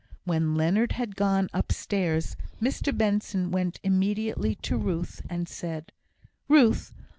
When Leonard had gone upstairs, Mr Benson went immediately to Ruth, and said, "Ruth!